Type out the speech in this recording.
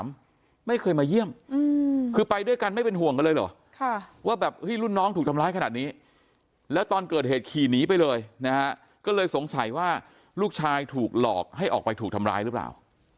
ลูกน้องถูกทำร้ายขนาดนี้แล้วตอนเกิดเหตุขี่หนีไปเลยนะก็เลยสงสัยว่าลูกชายถูกหลอกให้ออกไปถูกทำร้ายหรือเปล่า